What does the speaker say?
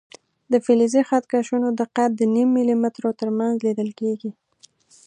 د فلزي خط کشونو دقت د نیم ملي مترو تر منځ لیدل کېږي.